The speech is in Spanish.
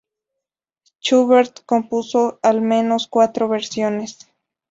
Schubert compuso al menos cuatro versiones.